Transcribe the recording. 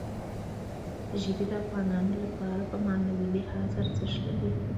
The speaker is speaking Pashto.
ژبې د افغانانو لپاره په معنوي لحاظ ارزښت لري.